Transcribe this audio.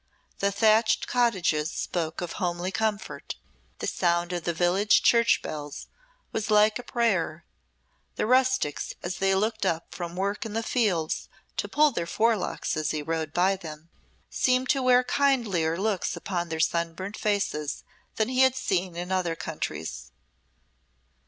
The thatched cottages spoke of homely comfort, the sound of the village church bells was like a prayer, the rustics, as they looked up from work in the fields to pull their forelocks as he rode by them, seemed to wear kindlier looks upon their sunburnt faces than he had seen in other countries.